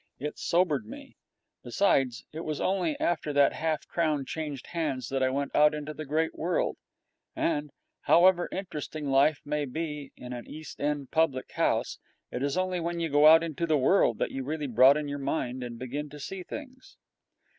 It sobered me. Besides, it was only after that half crown changed hands that I went out into the great world; and, however interesting life may be in an East End public house, it is only when you go out into the world that you really broaden your mind and begin to see things.